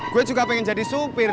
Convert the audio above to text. gue juga pengen jadi supir